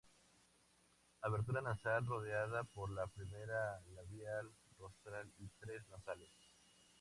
Abertura nasal rodeada por la primera labial, rostral y tres nasales.